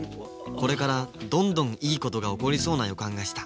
これからどんどんいいことが起こりそうな予感がした。